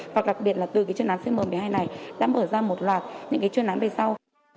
hoặc đặc biệt là từ cái chuyên án xe m một mươi hai này đã mở ra một loạt những cái chuyên án về sau